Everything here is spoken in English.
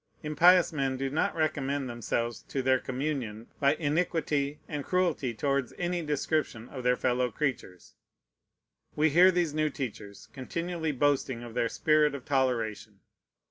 Impious men do not recommend themselves to their communion by iniquity and cruelty towards any description of their fellow creatures. We hear these new teachers continually boasting of their spirit of toleration.